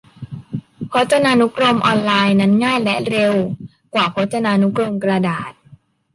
พจนานุกรมออนไลน์นั้นง่ายและเร็วกว่าพจนานุกรมกระดาษ